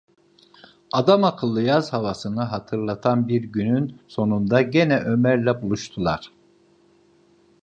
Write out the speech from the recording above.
Adamakıllı yaz havasını hatırlatan bir günün sonunda gene Ömer’le buluştular.